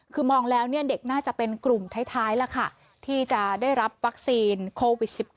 คือมองแล้วเด็กน่าจะเป็นกลุ่มท้ายแล้วค่ะที่จะได้รับวัคซีนโควิด๑๙